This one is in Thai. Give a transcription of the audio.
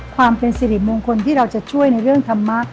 ความเป็นสิริมงคลที่เราจะช่วยในเรื่องธรรมะ